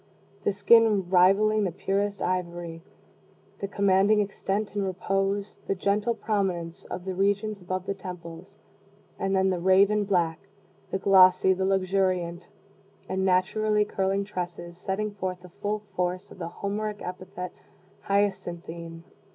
the skin rivaling the purest ivory, the commanding extent and repose, the gentle prominence of the regions above the temples; and then the raven black, the glossy, the luxuriant, and naturally curling tresses, setting forth the full force of the Homeric epithet, "hyacinthine!"